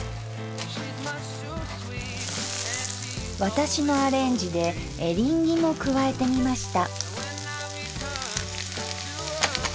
私のアレンジでエリンギも加えてみました。